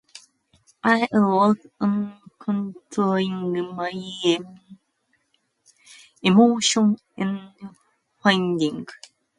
I would work on controlling my emotions and finding diplomatic solutions to conflicts.